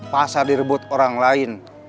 pasar direbut orang lain